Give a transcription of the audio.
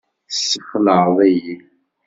Tessexlaɛeḍ-iyi.